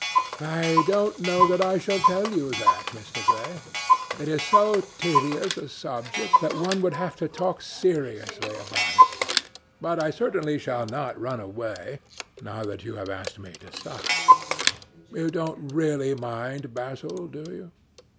"I don't know that I shall tell you that, Mr. Gray. It is so tedious a subject that one would have to talk seriously about it. But I certainly shall not run away, now that you have asked me to stop. You don't really mind, Basil, do you?